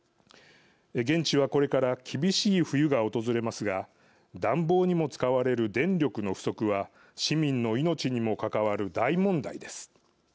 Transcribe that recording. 現地は、これから厳しい冬が訪れますが暖房にも使われる電力の不足は市民の命にも関わる大問題です。